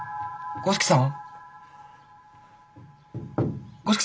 五色さん！